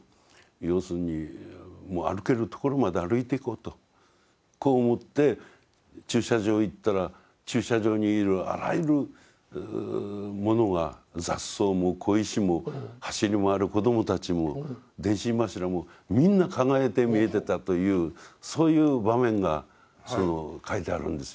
要するにもう歩けるところまで歩いていこうとこう思って駐車場へ行ったら駐車場にいるあらゆるものが雑草も小石も走り回る子どもたちも電信柱もみんな輝いて見えてたというそういう場面が書いてあるんですよ。